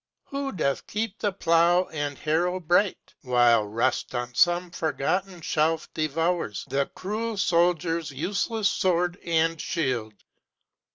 who doth keep the plow and harrow bright, While rust on some forgotten shelf devours The cruel soldier's useless sword and shield.